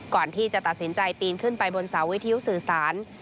ก่อนที่จะตัดสินใจปีนขึ้นไปบนเสาวิทยุสื่อสาร